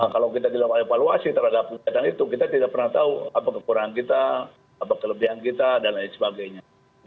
kalau kita dilakukan evaluasi terhadap kegiatan itu kita tidak pernah tahu apa kekurangan kita apa kelebihan kita dan lain sebagainya